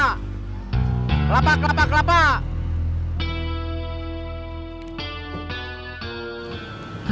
kelapa kelapa kelapa